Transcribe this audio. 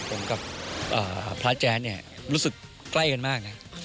ผมกับพระแจ๊ดเนี่ยรู้สึกใกล้กันมากนะ